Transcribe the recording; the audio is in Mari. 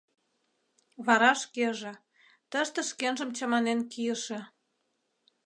Вара шкеже — тыште шкенжым чаманен кийыше.